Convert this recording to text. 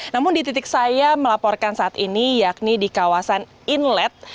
namun di titik saya melaporkan saat ini yakni di kawasan inlet